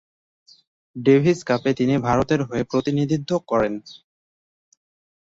Davies কাপে তিনি ভারতের হয়ে প্রতিনিধিত্ব করেন।